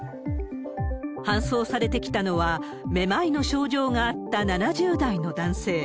搬送されてきたのは、めまいの症状があった７０代の男性。